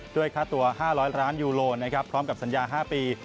ด้วยค่าตัว๕๐๐ล้านยูโลนะครับพร้อมกับสัญญา๕ปี